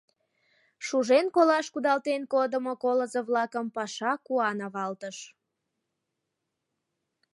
Шужен колаш кудалтен кодымо колызо-влакым паша куан авалтыш.